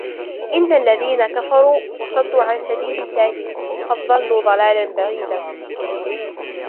إن الذين كفروا وصدوا عن سبيل الله قد ضلوا ضلالا بعيدا